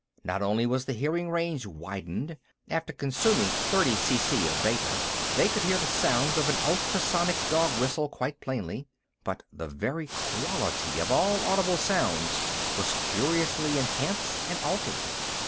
Not only was the hearing range widened after consuming thirty CC of Beta, they could hear the sound of an ultrasonic dog whistle quite plainly but the very quality of all audible sounds was curiously enhanced and altered.